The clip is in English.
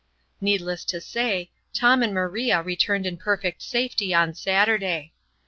Needless to say, Tom and Maria returned in perfect safety on Saturday.